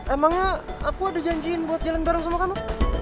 emangnya aku ada janjiin buat jalan bareng sama kamu